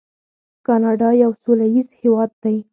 کاناډا یو سوله ییز هیواد دی.